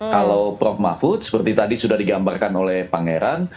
kalau prof mahfud seperti tadi sudah digambarkan oleh pangeran